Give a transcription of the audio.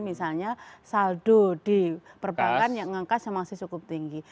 misalnya saldo di perbankan yang ngangkasnya masih cukup tinggi